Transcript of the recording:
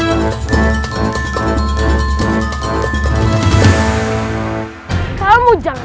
wanita ayahmu yang kuat